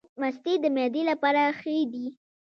مستې د معدې لپاره ښې دي